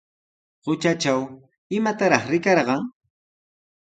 Qutratraw, ¿imatataq rikarqan?